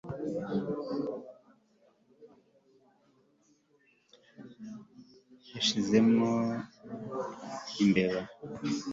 yashizemo imbeba